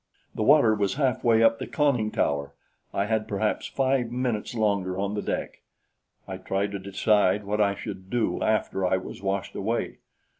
The water was halfway up the conning tower! I had perhaps five minutes longer on the deck. I tried to decide what I should do after I was washed away.